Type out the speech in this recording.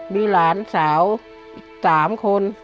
มีหลานสาว๓คน